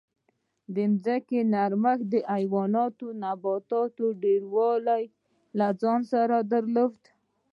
د ځمکې ګرمښت د حیواناتو او نباتاتو ډېروالی له ځان سره درلود